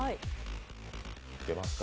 出ますか？